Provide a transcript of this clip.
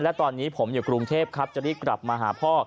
และตอนนี้ผมอยู่กรุงเทพครับจะรีบกลับมาหาพ่อ